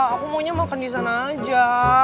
aku maunya makan di sana aja